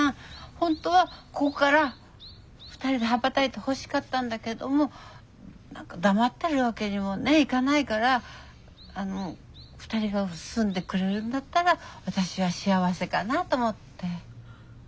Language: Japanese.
本当はこっから２人で羽ばたいてほしかったんだけども何か黙ってるわけにもねいかないからあの２人が住んでくれるんだったら私は幸せかなぁと思って。